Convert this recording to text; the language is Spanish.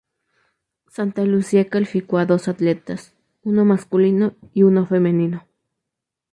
Santa Lucía calificó a dos atletas, uno masculino y uno femenino.